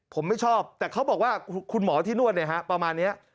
ผมไม่ชอบแต่เขาบอกว่าคุณหมอที่นวดเนี่ยฮะประมาณนี้